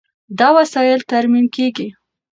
دا وسایل ترمیم کېږي.